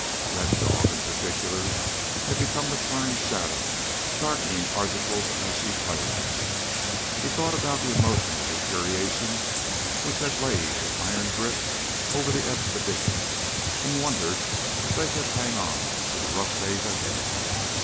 Red Dog, in particular, had become the prime shadow darkening Arzachel's ashy plains. He thought about the emotional deterioration which had laid an iron grip over the expedition and wondered if they could hang on through the rough days ahead.